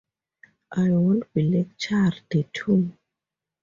I won't be lectured to.